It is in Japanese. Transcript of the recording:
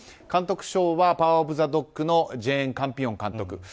監督賞は「パワー・オブ・ザ・ドッグ」のジェーン・カンピオン監督。